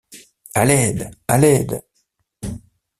À l’aide! à l’aide !